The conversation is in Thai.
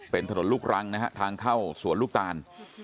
เป็นถนนลูกรังนะฮะทางเข้าสวนลูกตาล